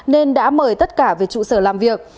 nên đã mời tất cả về trụ sở làm việc